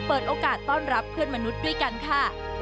เปิดโอกาสต้อนรับเพื่อนมนุษย์ด้วยกันค่ะ